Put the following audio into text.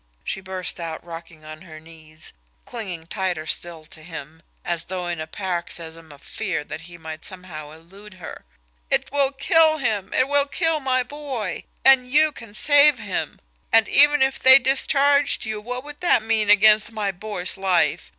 she burst out, rocking on her knees, clinging tighter still to him, as though in a paroxysm of fear that he might somehow elude her. "It will kill him it will kill my boy. And you can save him! And even if they discharged you, what would that mean against my boy's life!